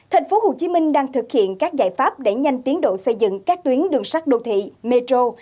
tp hcm đang thực hiện các giải pháp để nhanh tiến độ xây dựng các tuyến đường sắt đô thị metro